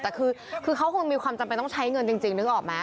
แต่คือเขาคงมีความจำเป็นต้องใช้เงินจริงนึกออกไหม